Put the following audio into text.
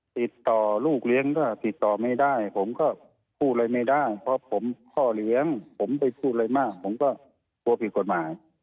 ติดต่อลูกเลี้ยงก็ติดต่อไม่ได้ผมก็พูดอะไรไม่ได้เพราะผมพ่อเลี้ยงผมได้พูดอะไรมากผมก็กลัวผิดกฎหมาย